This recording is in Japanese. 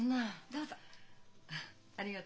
どうぞ。